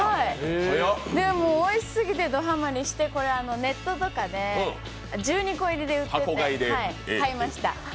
おいしすぎてドはまりしてネットとかで１２個入りで売ってて買いました。